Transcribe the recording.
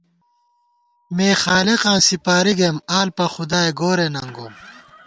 مےخالقاں سِپاری گَئیم ، آلپاخدائے گورے ننگوم